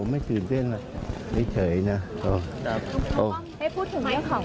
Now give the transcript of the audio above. ไม่รู้ไม่รู้